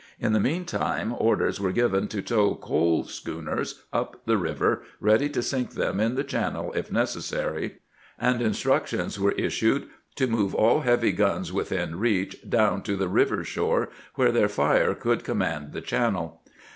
In the mean time orders were given to tow coal schooners up the river, ready to sink them in the channel if necessary ; and instructions were issued to move aU heavy guns within reach down to the river shore, where their fire could command the channel.